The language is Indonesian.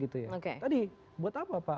tadi buat apa